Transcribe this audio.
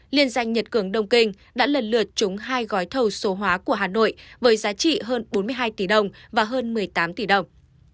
liên danh nhật cường đông kinh đã lần lượt trúng hai gói thầu số hóa của hà nội với giá trị hơn bốn mươi hai tỷ đồng và hơn một mươi tám tỷ đồng